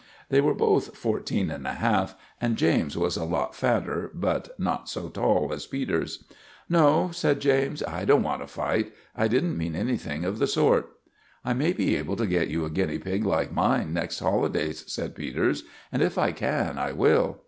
They were both fourteen and a half, and James was a lot fatter, but not so tall as Peters. "No," said James, "I don't want to fight. I didn't mean anything of the sort." "I may be able to get you a guinea pig like mine next holidays," said Peters; "and if I can, I will."